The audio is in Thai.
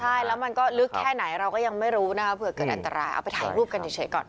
ใช่แล้วมันก็ลึกแค่ไหนเราก็ยังไม่รู้นะคะเผื่อเกิดอันตรายเอาไปถ่ายรูปกันเฉยก่อน